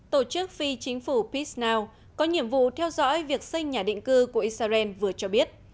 tổ chức phi chính phủ pisnow có nhiệm vụ theo dõi việc xây nhà định cư của israel vừa cho biết